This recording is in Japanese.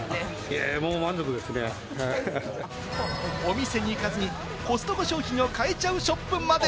お店に行かずに、コストコ商品が買えちゃうショップまで。